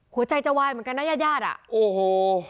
หัวใจจะไหวเหมือนกันน่ะย่าย่าดละโอ้โห